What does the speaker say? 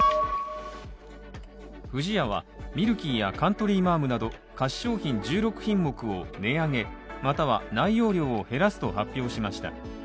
不二家はミルキーやカントリーマアムなど菓子商品１６品目を値上げまたは内容量を減らすと発表しました。